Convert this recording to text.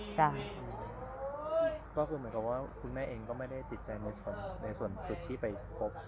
ก็คือเหมือนกับว่าคุณแม่เองก็ไม่ได้ติดใจในส่วนจุดที่ไปพบ